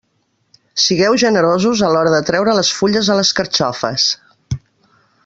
Sigueu generosos a l'hora de treure les fulles a les carxofes.